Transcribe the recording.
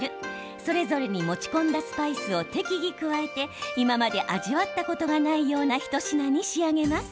それぞれに持ち込んだスパイスを適宜加えて今まで味わったことがないような一品に仕上げます。